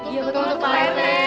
iya betul pak rt